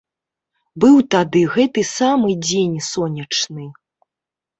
Быў тады гэты самы дзень сонечны.